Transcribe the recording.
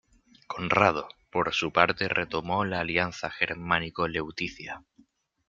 Conrado, por su parte, retomó la alianza germánico-leuticia.